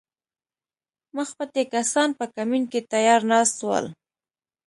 مخپټي کسان په کمین کې تیار ناست ول